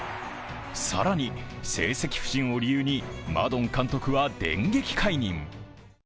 更に成績不振を理由にマドン監督は電撃解任。